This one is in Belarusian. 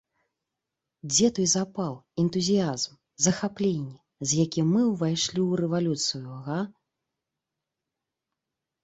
Дзе той запал, энтузіязм, захапленне, з якім мы ўвайшлі ў рэвалюцыю, га?